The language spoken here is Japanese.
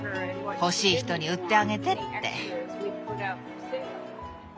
「欲しい人に売ってあげて」って。